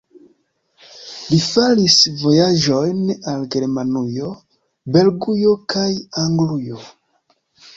Li faris vojaĝojn al Germanujo, Belgujo kaj Anglujo.